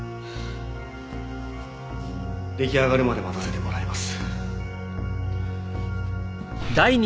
出来上がるまで待たせてもらいます。